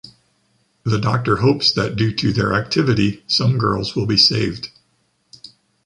The doctor hopes that due to their activity some girls will be saved.